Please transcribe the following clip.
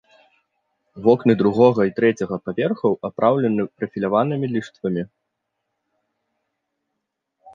Вокны другога і трэцяга паверхаў апраўлены прафіляванымі ліштвамі.